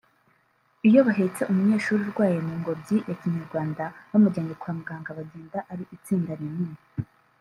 Iyo bahetse umunyeshuri urwaye mu ngobyi ya kinyarwanda bamujyanye kwa muganga bagenda ari itsinda rinini